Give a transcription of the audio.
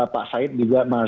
pak said juga